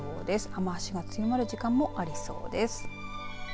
雨足が強まる時間もありそうです。